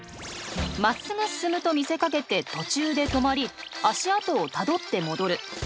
まっすぐ進むと見せかけて途中で止まり足跡をたどって戻る。